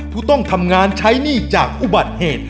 ผู้ต้องทำงานใช้หนี้จากอุบัติเหตุ